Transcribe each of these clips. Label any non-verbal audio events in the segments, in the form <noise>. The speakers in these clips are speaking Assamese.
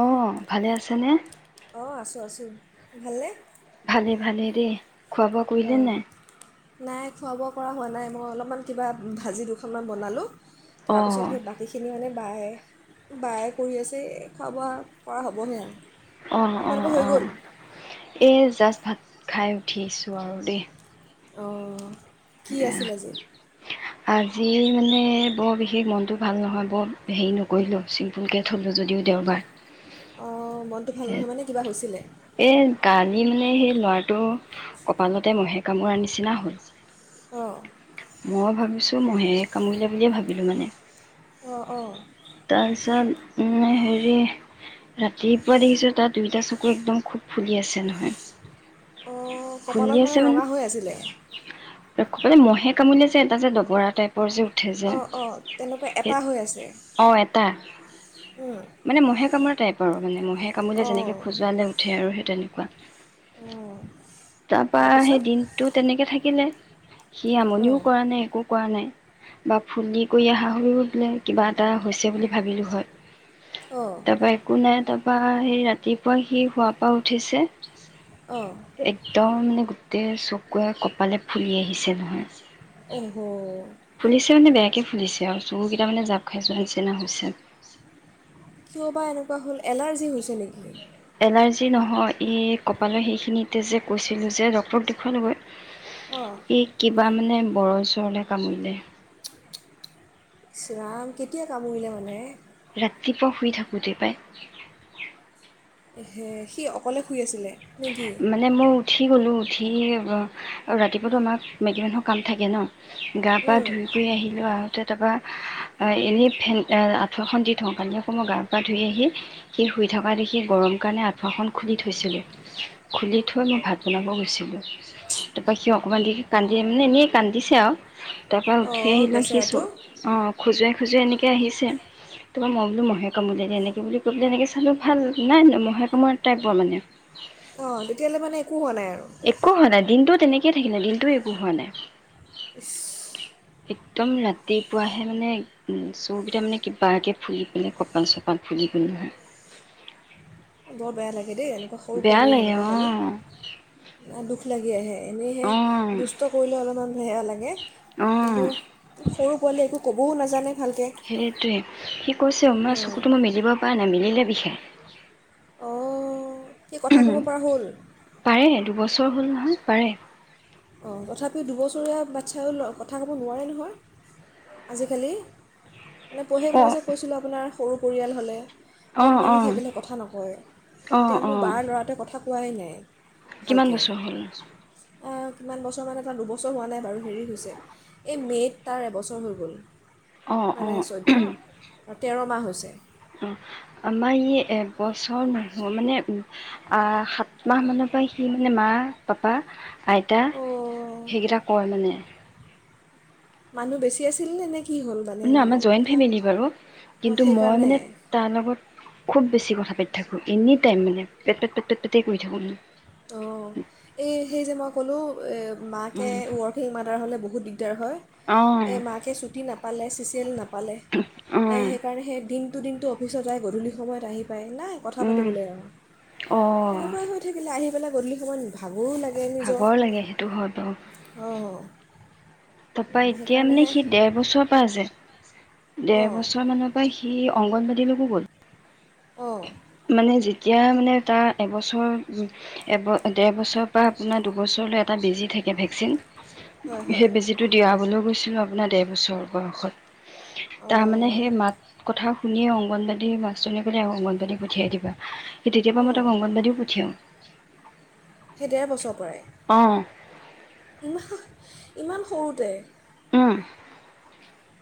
অ ভালে আছে নে? অঁ আছোঁ আছোঁ। ভালনে? ভালে ভালে দে। খোৱা বোৱা কৰিলে অঁ নাই? নাই খোৱা বোৱা কৰা হোৱা নাই মই অলপমান কিবা ভাজি দুখনমান বনালোঁ তাৰপিছত অ', সেই বাকীখিনি মানে বায়ে বায়ে কৰি আছে খাব কৰা হ'বহে আৰু অ অ আপোনালোকৰ হৈ অ গ'ল এই জাচ ভাত খাই উঠিছোঁ আৰু দেই অ কি আছিল আজি আজি মানে বৰ বিশেষ মনটো ভাল নহয় বৰ হেৰি নকৰিলোঁ চিম্পুলকে থলোঁ যদিও দেওবাৰ অঁ মনটো ভাল নহয় মানে কিবা হৈছিলে? এই কালি মানে সেই ল'ৰাটো কপালতে মহে কামোৰাৰ নিচিনা হ'ল অ মই ভাবিছোঁ মহে কামুৰিলে বুলিয়ে ভাবিলোঁ মানে অ অ তাৰপিছত হেৰি ৰাতিপুৱা দেখিছোঁ তাত দুইটা চকু একদম খুব ফুলি আছে নহয় অঁ ফুলি কপালত আছে মানে ৰঙা হৈ আছিলে <unintelligible> মহে কামুৰিলে ছাগে তাৰছত ডবৰা টাইপ ওপৰ যে উঠে যে অঁ অঁ তেনেকুৱা এটা সেত হৈ আছে অ এটা উম, মানে মহে কামোৰা টাইপ অ মানে মহে হে কামোৰিলে অঁ যেনেকে খজুৱালে উঠে আৰু সেই তেনেকে কোৱা উম তাৰ পা সেই দিনটো তেনেকে থাকিলে। সি আমনিও অঁ কৰা নাই, একো কৰা নাই। বা ফুলি কৰি আহা হ'লেও বোলে কিবা এটা হৈছে বুলি ভাবিলো হয়। অঁ তাৰপা একো নাই তা পা সেই ৰাতিপুৱা সি শুৱা পা উঠিছে অঁ একদম মানে গোটেই চকুৱে কপালে ফুলি আহিছে নহয়। ওহোঁ ফুলিছে মানে বেয়াকে ফুলিছে আৰু চো কেইটা মানে জাপ খাই যোৱাৰ নিচিনা হৈছে। কিয় বা এনেকুৱা হ'ল। এলাৰ্জি হৈ এনেকে যি নহয় এই কপালৰ সেইখিনিতে যে কৈছিলোঁ যে ডক্টৰক অহ দেখুৱালগৈ। এই কিবা মানে বৰল-চৰলে কামুৰিলে। ইছ ৰাম! কেতিয়া কামুৰিলে মানে। ৰাতিপুৱা শুই থাকোঁতে পাই। ধেই, সি অকলে শুই আছিলে? নেকি মানে মই উঠি গ'লোঁ। উঠি, ৰাতিপুৱাতো আমাক মাইকী মানুহৰ কাম থাকে ন। গা পা ধুই কৰি আহিলোঁ, আহোঁতে তাৰপৰা অ এনেই ফেন অ আঁঠুৱাখন দি থওঁ কাৰণ কি আকৌ মই গা পা ধুই আহি সি শুই থকা দেখি গৰম কাৰণে আঁঠুৱাখন খুলি থৈছিলোঁ। খুলি থৈ মই ভাত বনাব গৈছিলোঁ। তাৰপৰা সি অকমান দেৰি কান্দি মানে এনেই কান্দিছে আৰু। তাৰপৰা উঠি অঁ আহিলোঁ। সি বেচেৰাটো চ অঁ খজুৱাই খজুৱাই এনেকে আহিছে তোমাৰ মই বোলো মহে কামুৰিলে নেকি বুলি কৈ পেলে এনেকে চালো ভাল নাই ন মহে কামোৰা টাইপৰ মানে। অঁ তেতিয়াহ'লে মানে একো হোৱা নাই আৰু একো হোৱা নাই দিনটো তেনেকেই থাকিলে দিনটোও একো হোৱা নাই। একদম ৰাতিপুৱাহে মানে ম চকুকেইটা মানে কিবাকে ফুলি পেনে কপাল চপাল ফুলি পেনে বৰ বেয়া লাগে দেই এনেকুৱা সৰু পোৱালিৰ এনেকুৱা হ'লে অঁ দুখ লা <unintelligible> আহে এনেহে অঁ দুষ্ট কৰিলে অলপমান বেয়া লাগে, অঁ কিন্তু সৰু পোৱালি একো ক'বও নাজানে। ভালকৈ সেইটোৱে, সি কৈছে মা চকুতো মই মিলিব পৰা নাই মিলে বিষাই অঁ সি উ কথা ক'ব পৰা হ'ল পাৰে দুবছৰ হ'ল নহয় পাৰে অঁ তথাপিও দুবছৰীয়া বাচ্ছা ও কথা ক'ব নোৱাৰে নহয় আজিকালি মানে পঢ়ে মই অ', যে কৈছিলোঁ আপোনাৰ সৰু পৰিয়াল হ'লে কম অ', মানুহ অ', থাকিলে কথা নকয়, অ', এতিয়া মোৰ অ', বাৰ ল'ৰাটোৱে কথা ক পোৱাই নাই কিমান ভালকৈ বছৰ হ'ল? কিমান বছৰ মানে তাৰ দুবছৰ হোৱা নাই বাৰু হেৰি হৈছে এই মে'ত তাৰ এবছৰ হৈ গ'ল‌। অ', মানে অ', চৈধ্য আৰু তেৰ মাহ হৈছে। অ, আমাৰ ই একবছৰ নহোৱা মানে আহ সাত মাহ মানৰ পৰা সি মানে মা পাপা আইতা অঁ সেইকেইটা কয় মানে। মানুহ বেছি আছিল নে নে কি হ'ল মানে এনে আমাৰ জইণ্ট কথা ফেমিলি বাৰু অঁ কিন্তু মই মানে সেইকাৰণে তাৰ লগত খুব বেছি কথা পাতি থাকো। এনি টাইম মানে টেপ-তেপ-টেপ- তেপে কৰি থাকো মানে। অ এই সেই যে মই ক'লো এ মাকে ৱৰ্কিং মাদাৰ হলে বহুত <unintelligible> দিগদাৰ হয়। এ অ', মাকে চুটি নাপালে, চিচিএল নাপালে অ', সেইকাৰণে সেই দিন দুদিনটো অফিচত যায়। গধূলি সময়ত আহি নাই কথা উম, পাতিবলে আৰু অ', সেনেকুৱাই হৈ থাকিল। আহি তাকে গধলি সময়ত ভাগৰো লাগে। নিজৰ ভাগৰ লাগে সেইটো হয় বাৰু। অঁ তাৰপা উম, এতিয়া মানে সেইকাৰণেহে সি ডেৰ বছৰৰ পৰা আছে। ডেৰ অঁ বছৰ মানৰ পৰা সি অক অংগনবাডী লৈকো গ'ল। অঁ মানে যেতিয়া মানে তাৰ এবছৰ এব দেৰ বছৰৰ পৰা আপোনাৰ দু বছৰলৈ এটা বেজি থাকে ভেকচিন, হয় হয় সেই বেজীটো দিয়াবলৈ গৈছিলোঁ আপোনাক ডেৰ বছৰ বয়সত তাৰমানে অঁ সেই মাত কথা শুনি অং অংগনবাডী মাষ্টৰনি সতে অংগনবাডী পঠিয়াই দিবা। স তেতিয়াৰ পৰা মই তাক অংগনবাডীও পঠিয়াওঁ। সি ডেৰ বছৰ পৰাই <unintelligible> ইমান সৰুতে অ।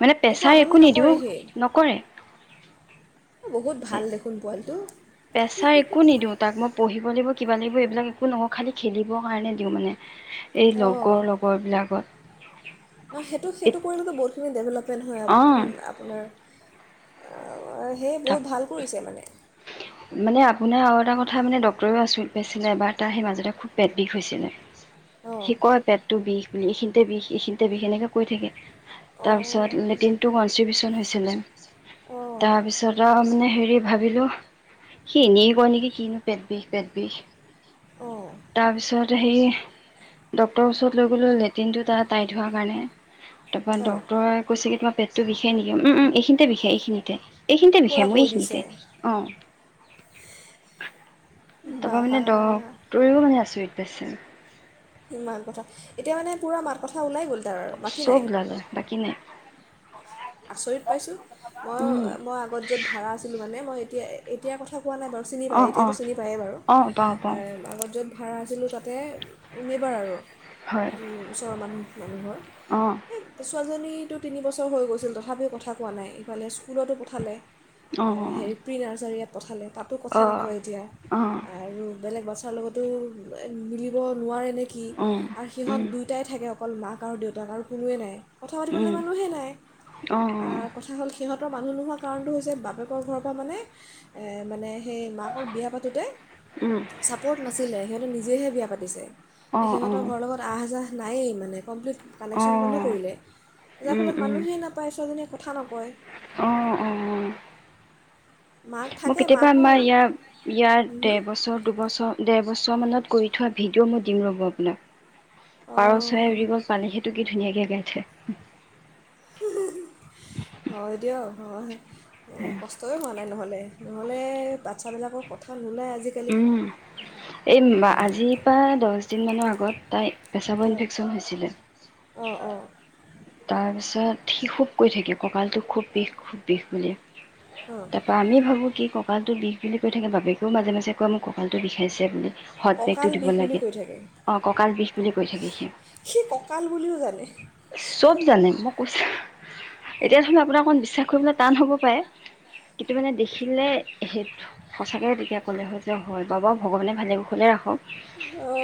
মানে পেছাৰ আমনি একো নিদিও। নকৰে সি এ, নকৰে। বহুত ভাল দেখোন পোৱালিটো। পেছা একো নিদিও তাক মই পঢ়িব লাগিব কিবা লাগিব এইবিলাক একো নকওঁ, খালি খেলিবৰ কাৰণে দিওঁ মানে। এই অঁ লগৰ লগৰ বিলাকত ন সেইটো- সেইটো কৰিলেটো বহুত খিনি দেভেলপ নহয় অঁ আপোনাৰ আ, সেই বহুত ভাল কৰিছে মানে মানে আপোনাৰ আৰু এটা ক কথা মানে ডক্টৰেও আচৰিত পাইছিলে, এবাৰ তাৰ সেই মাজতে খুব পেট বিষ হৈছিলে। অঁ সি কয় পেটটো বিষ এই খিনিতে বিষ এই সিনিতে বিষ এনেকে কৈ থাকে। অঁ তাৰপিছত লেটিনটো কনষ্ট্ৰিবউচন হৈছিলে, অঁ তাৰপিছত তাৰমানে হেৰি ভাল ভাবিলো, সি ইনেই কয় নেকি, কিনো পেট বিষ-পেট বিষ। অঁ তাৰপিছত সেই ডক্টৰৰ ওচৰত লৈ গ'লো, লেট্ৰিনটো তাৰ টাইত হোৱাৰ কাৰণে। তাৰপৰা হয় ডক্তৰে কৈছে কি তোমাৰ পেটটো বিষাই নিকি, উম্ উম্ এইখিনিত তে বিষাই এইখিনিতে। এইখিনিতে পূৰা বিষাই মোৰ কৰি দিছে এইখিনিতে, অ। <inaudible> বা তপা মানে দহ হে আচৰিত পাইছোঁ। মাত কথা, এতিয়া মানে পুৰা মাত কথা ওলাই গ'ল। তাৰ বাকী চব নাই ওলালে বাকী নাই। আচৰিত পাইছোঁ, উম মই- মই আগত য'ত ভাড়া আছিলোঁ মানে মই এতিয়া, এতিয়া কথা পোৱা নাই বাৰু চিনি অ পায়, অ এতিয়াতো চিনি পায়েই বাৰু অ পাওঁ পাওঁ আগত য'ত ভাড়া আছিলোঁ তাতে নেইবাৰ আৰু। হয় ওচৰৰ মানুহ মানুহৰ অ টো তিনি বছৰ হৈ গৈছিল তথাপিও কথা কোৱা নাই, ইফালে স্কুলটো পঠালে, অ হেৰি প্ৰি নাৰ্চাৰী য়াত পঠালে তাতো কথা অ নকয় এতিয়া অ আৰু বেলেগ তাৰ লগতো মিলিব নোৱাৰে নে কি উম আৰু সিহত উম দুইটাই থাকে অকল মাক আৰু দেউতাক আৰু কোনোৱেই নাই। কথা পাতিবলৈ মানুহে নাই। অ অ কথা হ'ল সিহঁতৰ মানুহ নোহোৱা কাৰণটো হৈছে বাপেকৰ ঘৰৰ পৰা মানে মানে সেই মাকক বিয়া পাতোতে উম চাপৰ্ট নাছিলে সিহঁতে নি জেহে বিয়া পাতিছে অ অ সিহঁতৰ ঘৰৰ লগত আহ যাহ নাইয়ে মানে কমপ্লিট অ কানেকশ্যন বন্ধ কৰিলে যাৰ উম ফলত উম মানুহে নাপ ছোৱালীজনীয়ে কথা নকয় অ অ মাক মোৰ থাকে কেতিয়াবা মাকো আমাৰ ইয়াৰ ইয়াৰ দেৰ বছৰ দুবছৰ ডেৰ বছৰ মানত কৰি থোৱা ভিডিঅ' মই দিম ৰ'ব আপোনাক পাৰ অঁ চৰাই উৰি গল পালে সেইটো কি ধুনীয়াকে গাই থে অ হয় দিয়ক অ কষ্টয়ে হোৱা নাই নহ'লে নহ'লে বাচ্ছাবিলাকৰ কথা নোলায় আজিকালি উম এই আজিৰ পৰা দহ দিন মানৰ আ গত তাইৰ পেচাব অঁ ইনফেকচন হৈছিলে অঁ অঁ তাৰ পিছত সি খুব কৈ থা কে কঁকালতো খুব বিষ খুব বিষ বুলি অঁ তাৰ পৰাা আমি ভাবো কি ক কঁকালটো বিষ বুলি কৈ থাকে বাপকেও মাজে মাজে কৈ মোক কঁকালটো বিষাইছে ব বুলি হট বেগটো কঁকাল দিব বিষ বুলি লাগে কৈ থাকে অ ককাল বিষ বুলি কৈ থাকে সি সি কঁকাল বুলিও জানে চব জানে মই কৈছো ন এতিয়া ধৰি ল আপোনাৰ অকণ বিশ্বাস কৰিবলৈ টান হ'ব পাৰে কিন্তু মানে দেখিলে সেই সঁচাকৈ তেতিয়া ক'লে হয় যে হয় বাবা ভগৱানে ভালে কুশলে ৰাখক অ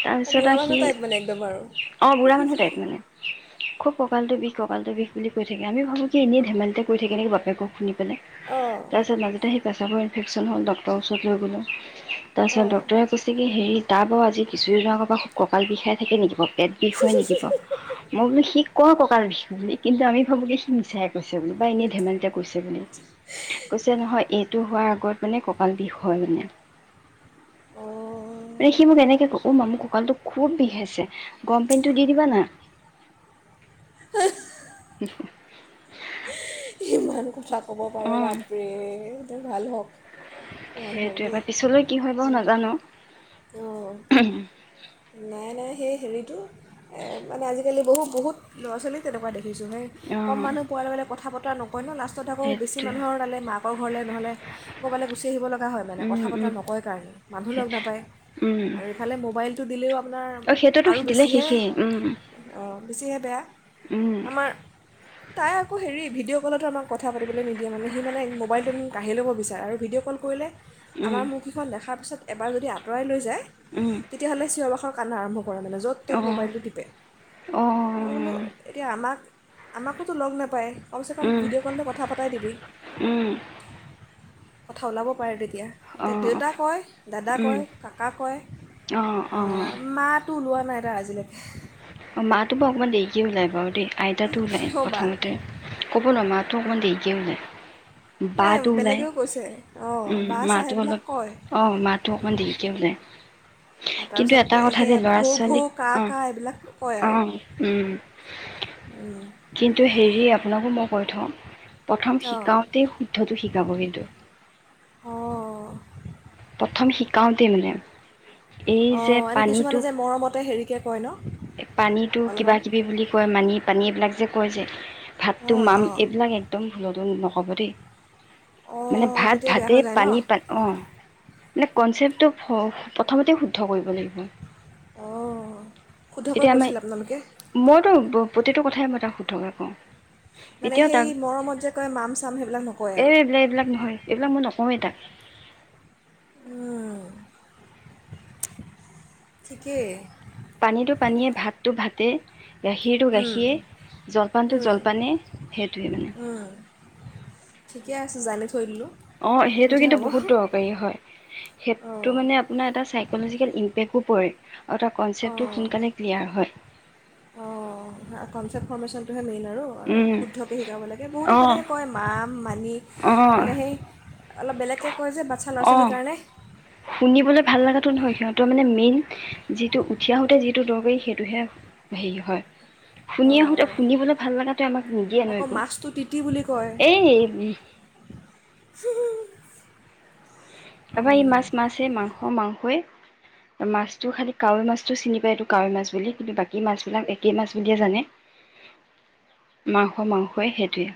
তাৰপিছত বুঢ়া আৰু সি মানুহ টাইপ মানে একদম আৰু অ বুঢ়া মানুহ টাইপ মানে খুব ককালটো বিষ ককালটো বিষ বুলি ক থাকে আমি ভাবো কি এনে ধেমালিতে কৈ থাকে নেকি বাপেকক শুনি অঁ তাৰপিছত মাজতে সেই পেচাব ইনফেকচন হ'ল ডক্তৰ ওচৰত লৈ গলোঁ তাৰপিছত অঁ ডক্তৰে কৈছে কি হেৰি তাৰ বাৰু আজি কিছুদিনৰ আগৰ পৰা খুব কঁকাল বিষাই থাকে নেকি বাও পেট বিষয়ে নেকি বাৰু মই বোলো সি কওঁ কঁকাল বিষ বুলি কিন্তু আমি ভাবো যে সি মিছাই কৈছে বুলি বা এনেই ধেমালিতে কৈছে বুলি কৈছে নহয় এইটো হোৱাৰ আগত মানে কঁকাল বিষ হয় মানে অঁ মানে সি মোক এনেকে ক উ ম মু কঁকালটোক খুব বিষ আছে গৰম পানীটো দি দিবা না উম সিমান কথা ক'ব পাৰে অ' বাপৰে ভাল হওঁক ভাল হওঁক সেইটোৱে বা দেই পিছলৈ কি হয় বাৰু নাজানো। উ অঁ নাই নাই সেই হেৰিটো মানে আজিকালি বহুত বহুত ল'ৰা ছোৱালী তেনেকুৱা দেখ কম অ' মানুহ পোৱাৰ কথা পা <inaudible> কই লাষ্টত আকৌ বেছি সেইটোৱে মানুহৰ তালে মাকৰ ঘৰলৈ নহ'লে ক'ৰবালৈ গুচি আহিব লগা হয় মানে উম, কথা বতৰা উম, নকয় কাৰণে মানুহ লগ নাপায় উম, আৰু ইফালে মোবাইলটো দিলেও আপোনাৰ অ' সেইটোতো আৰু দিলে বেছিহে শেষেই উম, অঁ বেছিহে বেয়া উম, আমাৰ তাই আকৌ হেৰি ভিডঅ' কবলে তোমাক কথা পাতিলৈ নিদিয়ে মানে মানে মোবাইলটো কা়ঢ়ি ল'ব বিচাৰে ভিডঅ'কল কৰিলে উম, আমাৰ মুখকেইখন দেখাৰ পিছত এবাৰ যদি আঁতৰাই লৈ যায় উম, তেতিয়াহ'লে চোৱাবখৰ কান্দোন আৰম্ভ কৰা মানে য'ত ত'ত অ', মোবাইলটো টিপে অ', মই বোলো এতিয়া আমাক আমাকোতো লগ নাপায় ক উম, ভিডিঅ' কললৈ কথা পতাই দিবি উম, কথা ওলাব পাৰে তেতিয়া এতিয়া অ', দেউতা, কয় উম, দাদাকয়, কাকা কয়, অ', অ', মাটো ও লোৱা নাই আৰু আজিলৈকে অঁ মাটো বা অলপ দেৰিকৈ ওলায় বাৰু দেই আইতাটো ওলায় কিয় বা প্ৰথমতে ক'বলৈ'মাক মোৰ অকনমান দেৰিকৈ ওলাই নাই বাটো ওলাই বেলেগেও কৈছে অঁ উম বা চা মাটো সেইবিলাক অলপ কয় অঁ মাটো অকমান দেৰিকে ওলাই আৰু কিন্তু তাৰপিছত এটা কথা দ সেয়া ল'ৰা ভৌ ভৌ ছোৱালীক কা অঁ কা এইবিলাক কয় আৰু অঁ উম, উম, কিন্তু হেৰি হি আপোনাকো মই কৈ থওঁ প্ৰথম অঁ শিকাওতেই শুদ্ধটো শিকাব কিন্তু অঁ প্ৰথম শিকাওতে মানে এই অ এনে কিছুমানে যে মৰমতে হেৰিকে। পানীতো কিবা কিবি বুলি কয় মানি পানী এইবিলাক যে কৈ যে ভাতটো অঁ মাম অঁ এইবিলাক একদম ভুলতো হব দেই মানে অঁ ভাত তেতিয়া বেয়া ভাতে হৈ যায় ন পানী পান অ মানে কনচেপ্টটো প্ৰথমতে শুদ্ধ কৰিব লাগিব। অঁ শুদ্ধকৈ এতিয়া কৈছিল আপোনালোকে আমাৰ মইতো প্ৰতিটো কথাই মই তাক শুদ্ধকে কওঁ। মানে এতিয়াও সেই তাক মৰমত যে কয় মাম চাম সেইবিলাক নকয় এ আৰু এইবিলাক এইবিলাক নহয় এইবিলাক মই নকওঁৱেই তাক। উম ঠিকেই পানীটো পানীয়ে ভাতটো ভাতেই গাখীৰটো উম, গাখীৰেই জলপানটো উম, জলপানেই সেইটোৱে মানে। উম, ঠিকে আছে জানি থৈ দিলোঁ অ সেইটো সুবিধা কিন্তু বহুত হ'ব দৰকাৰী হয় সেইটো অঁ মানে আপোনাৰ এটা চাইকলজিকেল পৰি আৰু তাৰ কনচেপ্টটো অঁ সোনকালে ক্লিয়াৰ হয়। মে আৰু আৰু উম শুদ্ধকে শিকাব লাগে বহুতো অ তেনেকৈ কয় মাম মানি অ মানে সেই অলপ বেলেগকৈ কয় যে বাচ্ছা ল'ৰা অ ছোৱালীৰ কাৰণে শুনিবলে ভাল লগাতটো নহয় সিহঁতৰ মানে মেইন যিটো উঠি আহোতে যিটো দৰকাৰী সেইটোহে হেৰি হয়। শুনি আহোতে অঁ শুনিবলৈ ভাল লগাতোয়ে আমাক নিদিয়ে নো আকৌ একো মাছটো তিতি বুলি এই কয় উ তাৰপৰা এই মাছ মাছে মাংস মাংসই মাছটো খালি কাৱৈ মাছটো চিনি পায় এইটো কাৱৈ মাছ বুলি কিন্তু বাকী মাছবিলাক একেই মাছ বুলিয়ে জানে, মাংস মাংসই সেইটোৱে,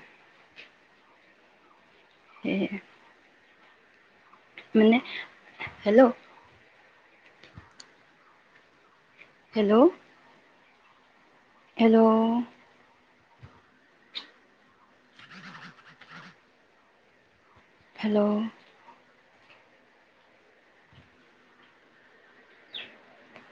সেয়ে মানে হেল্ল' হেল্ল' হেল্ল' হেল্ল'